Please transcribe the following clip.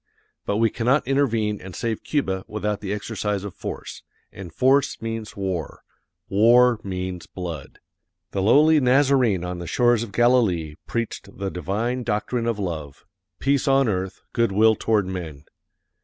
But we cannot intervene and save Cuba without the exercise of force, and force means war; war means blood. The lowly Nazarene on the shores of Galilee preached the divine doctrine of love, "Peace on earth, good will toward men."